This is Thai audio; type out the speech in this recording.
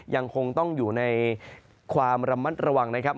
ยังคงต้องอยู่ในความระมัดระวังนะครับ